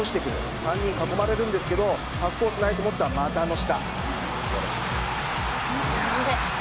３人に囲まれるんですがパスコースないと思ったら股の下。